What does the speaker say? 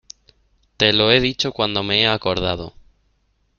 te lo he dicho cuando me he acordado.